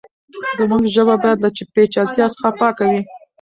زموږ ژبه بايد له پېچلتيا څخه پاکه وي.